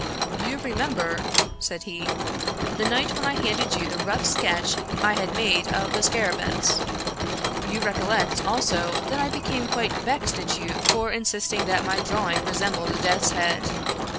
" You remember," said he, " the night when I handed you the rough sketch I had made of the scarabccus. You recollect, also, that I became quite vexed at you for insist ing that my drawing resembled a death's head.